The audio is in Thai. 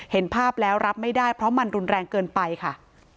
เห็นภาพแล้วรับไม่ได้เพราะมันรุนแรงเกินไปค่ะ